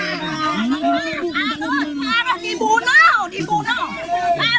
harus harus dibunuh dibunuh